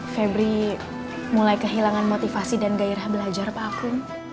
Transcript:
febri mulai kehilangan motivasi dan gairah belajar paku